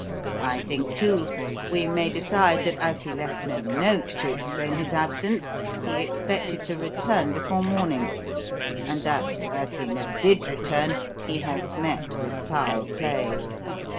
I think, too, we may decide that, as he left no note to explain his absence, he expected to return before morning, and that, as he never did return, he has met with foul play.